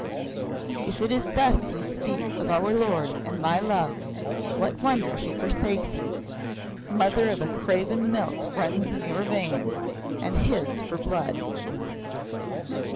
"If it is thus you speak of our lord and my love, what wonder he forsakes you? Mother of a craven milk runs in your veins and his for blood.